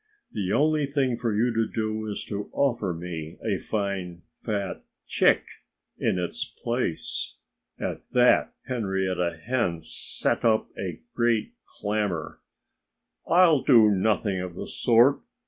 "The only thing for you to do is to offer me a fine, fat chick in its place." At that Henrietta Hen set up a great clamor. "I'll do nothing of the sort!"